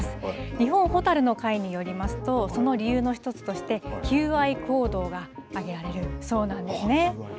日本ホタルの会によりますとその理由の１つとして求愛行動が挙げられるそうなんですね。